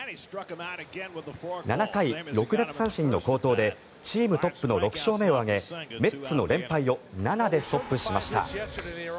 ７回６奪三振の好投でチームトップの６勝目を挙げメッツの連敗を７でストップしました。